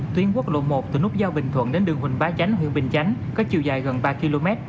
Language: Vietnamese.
tuyến quốc lộ một từ nút giao bình thuận đến đường huỳnh bá chánh huyện bình chánh có chiều dài gần ba km